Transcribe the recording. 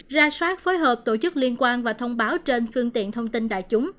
ra soát phối hợp tổ chức liên quan và thông báo trên phương tiện thông tin đại chúng